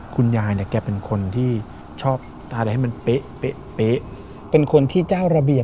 คุณยายเนี่ยแกเป็นคนที่ชอบทานอะไรให้มันเป๊ะเป็นคนที่เจ้าระเบียบ